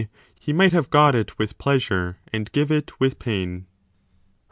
he might have got it with pleasure and give it with pain.